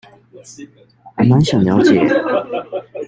還滿想了解